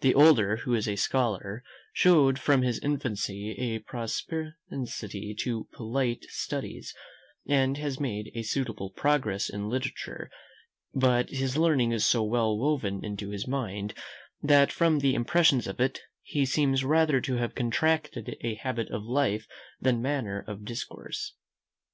The older, who is a scholar, showed from his infancy a propensity to polite studies, and has made a suitable progress in literature; but his learning is so well woven into his mind, that from the impressions of it, he seems rather to have contracted a habit of life than manner of discourse.